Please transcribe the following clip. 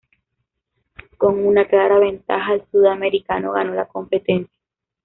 Con una clara ventaja el sudamericano ganó la competencia.